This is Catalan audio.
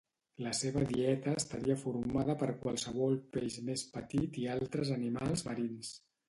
La seva dieta estaria formada per qualsevol peix més petit i altres animals marins